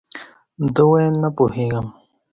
ده ویل، نه پوهېږم.